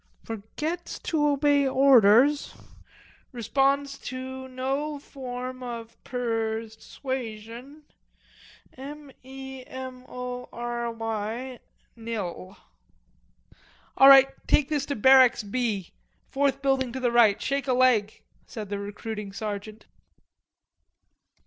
"Forgets to obey orders.... Responds to no form of per... suasion. M e m o r y, nil." "All right. Take this to barracks B.... Fourth building, to the right; shake a leg," said the recruiting sergeant.